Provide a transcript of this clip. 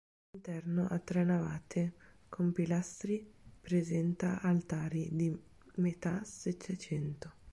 L'interno a tre navate con pilastri presenta altari di metà Settecento.